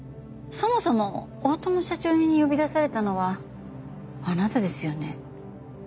そもそも大友社長に呼び出されたのはあなたですよね？